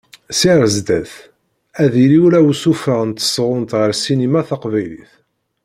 Sya ar sdat, ad d-yili ula usuffeɣ n tesɣunt ɣef ssinima taqbaylit.